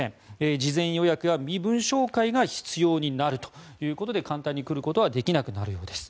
事前予約や身分照会が必要になるということで簡単に来ることはできなくなるようです。